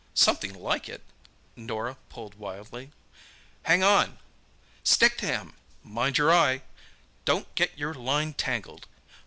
"Something like it!" Norah pulled wildly. "Hang on!" "Stick to him!" "Mind your eye!" "Don't get your line tangled!"